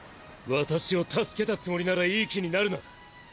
私を助けたつもりならいい気になるな！